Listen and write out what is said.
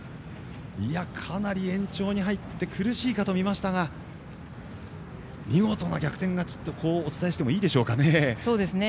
かなり延長に入って苦しいかとみましたが見事な逆転勝ちとお伝えしてもいいでしょうかね。